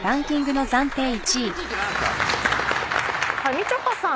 ⁉みちょぱさん